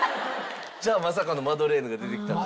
じゃあまさかのマドレーヌが出てきたという。